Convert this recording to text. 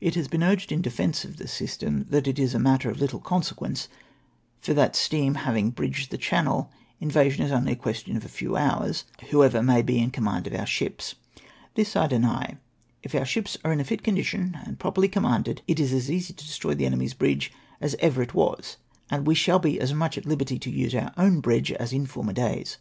It has been urged, in defence of the system, that it is a matter of little consequence, for that steam having bridged the Channel, invasion is only a question of a few hours, whoever may be in command of our ships. This I deny. If our sliips are in a fit condition, and properly commanded, it is as easy to destroy the enemy's " bridge " as ever it was, and we shall be as much at hberty to use our own bridge as in former days.